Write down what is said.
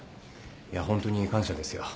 いやホントに感謝ですよ。